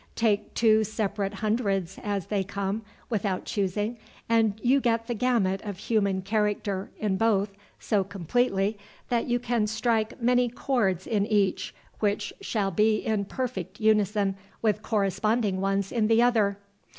Take two separate hundreds as they come, without choosing, and you get the gamut of human character in both so completely that you can strike many chords in each which shall be in perfect unison with corresponding ones in the other.